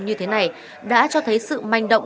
như thế này đã cho thấy sự manh động